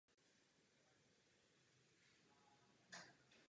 Lisabonská smlouva je nyní v platnosti jeden rok.